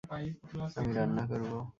আমি রান্না করব।